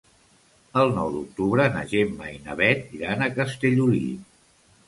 El nou d'octubre na Gemma i na Bet iran a Castellolí.